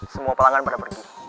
semua pelanggan pada pergi